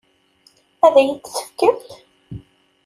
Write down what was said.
Ad iyi-t-tefkemt?